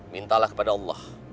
mintalah kepada allah